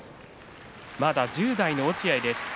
まだ１０代の落合です。